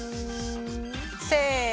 せの！